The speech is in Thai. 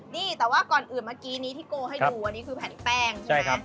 นี่แต่ว่าก่อนอื่นเมื่อกี้นี้ที่โกให้ดูอันนี้คือแผ่นแป้งใช่ไหม